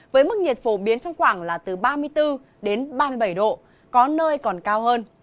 với mức nhiệt phổ biến trong khoảng là từ ba mươi bốn đến ba mươi bảy độ có nơi còn cao hơn